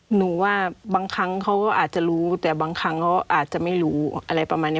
หนูว่าบางครั้งเขาก็อาจจะรู้แต่บางครั้งเขาอาจจะไม่รู้อะไรประมาณนี้